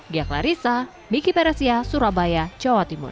diaklarisa miki peresia surabaya jawa timur